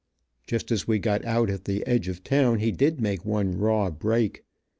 Just as we got out at che edge of town he did make one raw break.